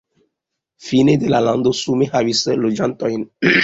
Fine de la lando sume havis loĝantojn.